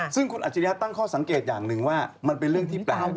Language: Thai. ซึ่งคุณอัจฉริยะตั้งข้อสังเกตอย่างหนึ่งว่ามันเป็นเรื่องที่แปลก